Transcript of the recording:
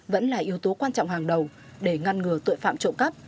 vẫn là yếu tố quan trọng hàng đầu để ngăn ngừa tội phạm trộm cắp